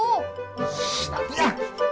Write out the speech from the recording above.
shhh tapi ya